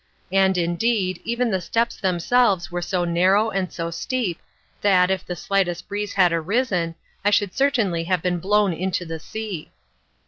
And, indeed, even the steps themselves were so narrow and so steep that, if the lightest breeze had arisen, I should certainly have been blown into the sea.